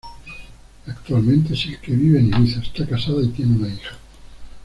Actualmente, Silke vive en Ibiza, está casada y tiene una hija.